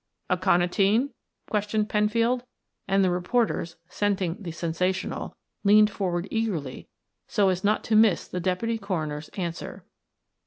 "Aconitine?" questioned Penfield, and the reporters, scenting the sensational, leaned forward eagerly so as not to miss the deputy coroner's answer.